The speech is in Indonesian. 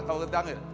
kalau ketika anggil